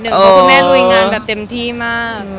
เพราะพี่แม่ลุยงานกับเต็มที่มาก